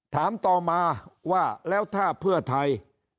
ถามต่อมาว่าแล้วถ้าเพื่อไทย